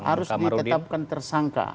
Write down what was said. harus ditetapkan tersangka